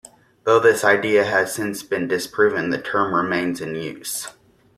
Though this idea has since been disproven, the term remains in use.